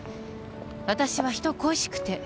「私は人恋しくて」